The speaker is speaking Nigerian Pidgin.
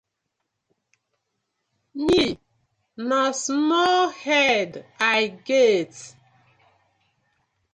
Mi na small head I get.